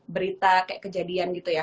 berita kayak kejadian gitu ya